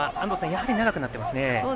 やはり長くなっていますね。